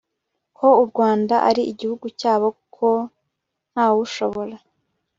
ko u rwanda ari igihugu cyabo, ko ntawushobora